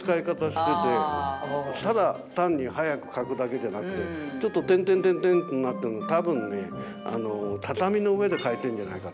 ただ単に速く描くだけじゃなくてちょっと点々点々ってなってるのは多分ね畳の上で描いてるんじゃないか。